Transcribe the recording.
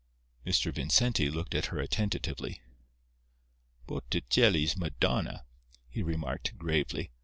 Mr. Vincenti looked at her attentively. "Botticelli's Madonna," he remarked, gravely.